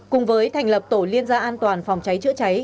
cùng với thành lập tổ liên gia an toàn phòng cháy chữa cháy